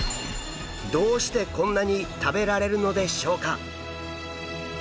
どうしてこんなに食べられるのでしょうか？